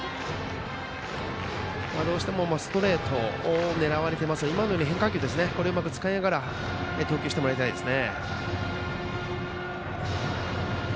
どうしてもストレートを狙われていますので今のような変化球をうまく使いながら投球してもらいたいです。